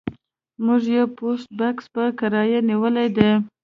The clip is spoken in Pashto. موږ یو پوسټ بکس په کرایه نیولی دی